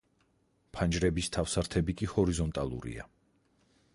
ფანჯრების თავსართები კი ჰორიზონტალურია.